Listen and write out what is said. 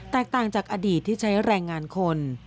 ต่างจากอดีตที่ใช้แรงงานคน